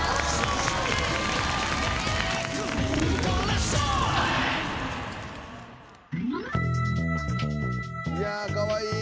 いやあかわいい！